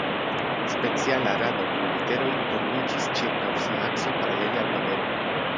Speciala rado kun literoj turniĝis ĉirkaŭ sia akso paralele al papero.